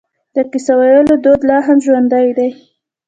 د کیسه ویلو دود لا هم ژوندی دی.